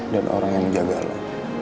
dan orang yang menjaga lo